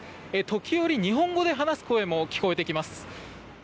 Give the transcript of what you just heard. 時折、日本語で話す声も聞こえてきます。